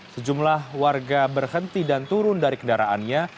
sejumlah warga berhenti dan turun dari kendaraannya